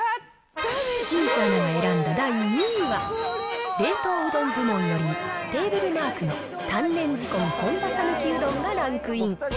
清水アナが選んだ第２位は、冷凍うどん部門より、テーブルマークの丹念仕込み本場さぬきうどんがランクイン。